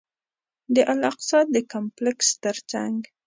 د الاقصی د کمپلکس تر څنګ.